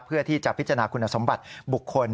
เพื่อที่จะพิจารณาคุณสมบัติบุคคล